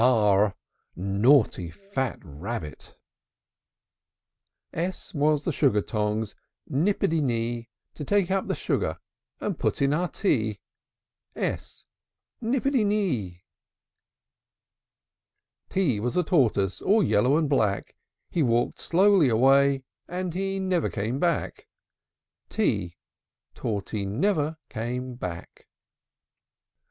r! Naughty fat rabbit! S S was the sugar tongs, Nippity nee, To take up the sugar To put in our tea. s! Nippity nee! T T was a tortoise, All yellow and black: He walked slowly away, And he never came back. t! Torty never came back!